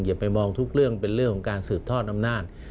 อย่าไปมองทุกเรื่องเป็นเรื่องของการสืบทอดอำนาจ